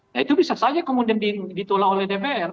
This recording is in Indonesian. nah itu bisa saja kemudian ditolak oleh dpr